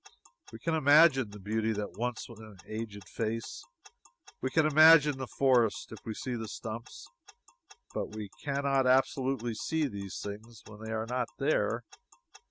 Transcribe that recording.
We can imagine the beauty that was once in an aged face; we can imagine the forest if we see the stumps; but we can not absolutely see these things when they are not there.